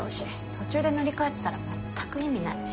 途中で乗り換えてたら全く意味ない。